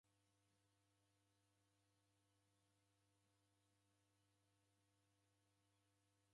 Ni w'andu w'isaw'iaw'ona imbiri angu kukaia na suku.